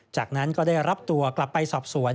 จากนั้นก็ได้รับตัวกลับไปสอบสวน